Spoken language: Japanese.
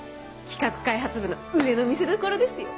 企画開発部の腕の見せどころですよ。